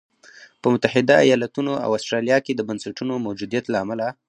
په متحده ایالتونو او اسټرالیا کې د بنسټونو موجودیت له امله.